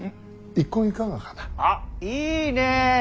あっいいねえ。